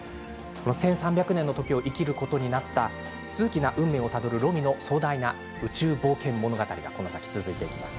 １３００年の時を生きることになった数奇な運命をたどるロミの壮大な冒険物語が続いていきます。